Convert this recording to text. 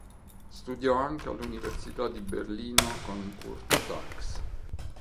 Studiò anche all'Università di Berlino con Curt Sachs.